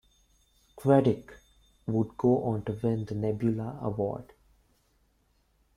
Chwedyk would go on to win the Nebula Award.